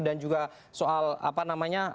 dan juga soal apa namanya